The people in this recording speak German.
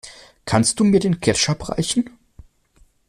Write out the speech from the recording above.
Kannst du mir den Ketchup reichen?